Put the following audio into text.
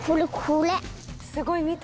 すごい。